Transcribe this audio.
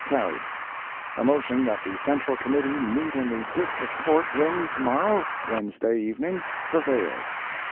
Carried. A motion that the Central Committee meet in the District Court room to morrow (Wednesday) evening, prevailed.